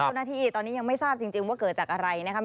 เจ้าหน้าที่ตอนนี้ยังไม่ทราบจริงว่าเกิดจากอะไรนะครับ